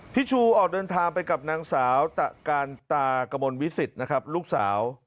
พี่ชูออกเดินทางไปกับนางสาวตะการตากระมวลวิสิตนะครับลูกสาว